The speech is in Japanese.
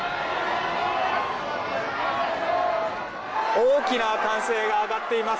大きな歓声が上がっています。